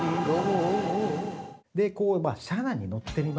車内に乗ってみますとですね